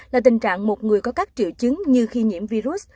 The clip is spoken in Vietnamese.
là tình trạng một người có các triệu chứng như khi nhiễm virus